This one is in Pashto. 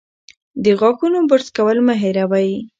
د غاښونو برس کول مه هېروئ.